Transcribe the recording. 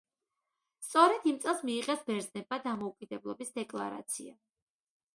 სწორედ იმ წელს მიიღეს ბერძნებმა დამოუკიდებლობის დეკლარაცია.